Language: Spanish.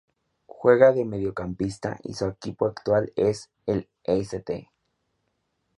Juega de mediocampista y su equipo actual es el St.